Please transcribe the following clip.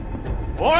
おい！